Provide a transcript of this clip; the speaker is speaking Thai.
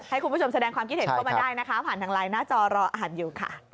ให้คุณผู้ชมแสดงความคิดเห็นเข้ามาได้นะคะผ่านทางไลน์หน้าจอรออ่านอยู่ค่ะ